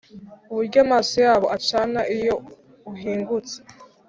Uburyo amaso yabo acana iyo uhingutse